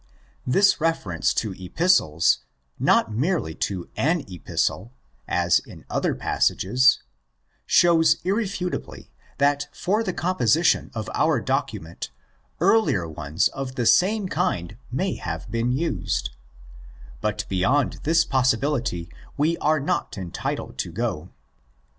This reference to Epistles—not merely to an Epistle, asin other passages—shows irrefutably that for the composition of our document earlier ones of the same kind may have been used; but beyond this possibility we are not entitled to go.